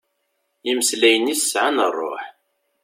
Imeslayen-is sɛan rruḥ.